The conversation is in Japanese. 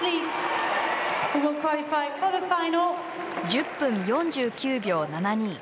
１０分４９秒７２。